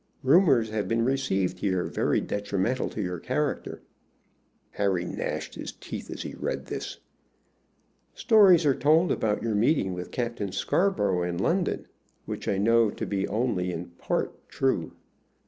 Rumors have been received here very detrimental to your character." Harry gnashed his teeth as he read this. "Stories are told about your meeting with Captain Scarborough in London, which I know to be only in part true.